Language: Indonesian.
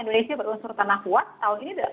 indonesia berusur tanah kuat tahun ini